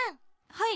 はい。